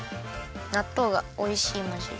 なっとうがおいしいまじで。